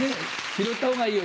拾ったほうがいいよ